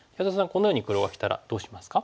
このように黒がきたらどうしますか？